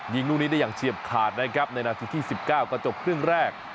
ยิงลูกนี้ได้อย่างเฉียบขาดนะครับในนาทีที่๑๙ก็จบครึ่งแรก